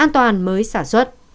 an toàn mới sản xuất